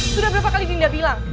sudah berapa kali dinda bilang